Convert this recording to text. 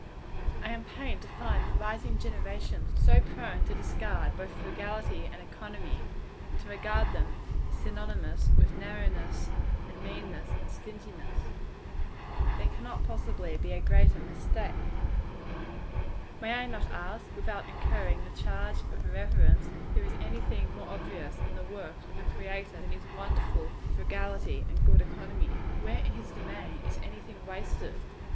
I am pained to find the rising generation so prone to discard both frugality and economy, and to regard them as synonymous with narrowness, and meanness, and stinginess. There cannot possibly be a greater mistake. May I not ask, without incurring the charge of irreverence, if there is any thing more obvious, in the works of the Creator, than his wonderful frugality and good economy? Where, in his domain, is any thing wasted?